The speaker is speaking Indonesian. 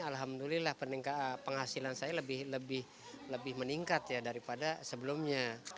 alhamdulillah penghasilan saya lebih meningkat daripada sebelumnya